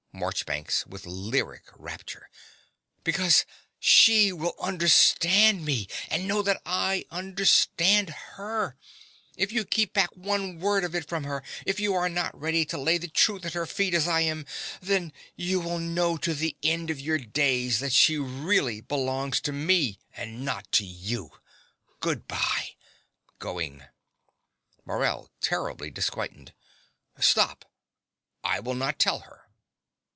MARCHBANKS (with lyric rapture.) Because she will understand me, and know that I understand her. If you keep back one word of it from her if you are not ready to lay the truth at her feet as I am then you will know to the end of your days that she really belongs to me and not to you. Good bye. (Going.) MORELL (terribly disquieted). Stop: I will not tell her.